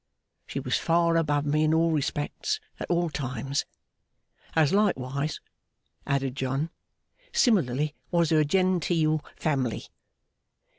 She was far above me in all respects at all times. As likewise,' added John, 'similarly was her gen teel family.